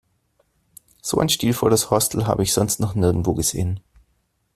So ein stilvolles Hostel habe ich sonst noch nirgendwo gesehen.